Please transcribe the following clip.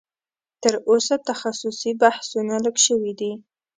تر اوسه تخصصي بحثونه لږ شوي دي